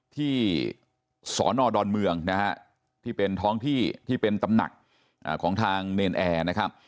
ที่สอนอดอนเมืองนะฮะที่เป็นท้องที่ที่เป็นตำหนักของทางเนรนแอร์นะครับ